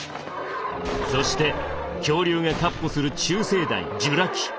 そして恐竜が闊歩する中生代ジュラ紀。